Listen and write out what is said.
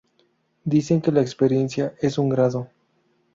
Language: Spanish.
Dicen que la experiencia es un grado